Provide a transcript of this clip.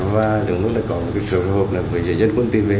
và chúng tôi đã có một sự phối hợp với giới dân quân tỉnh